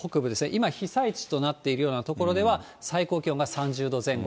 今、被災地となっているような所では、最高気温が３０度前後。